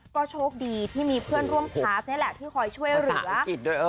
ก็โชคดีที่มีเพื่อนร่วมคลาสนี่แหละที่คอยช่วยเหลือ